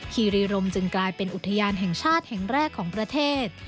คีรีรมจึงกลายเป็นอุทยานแห่งชาติแห่งแรกของประเทศ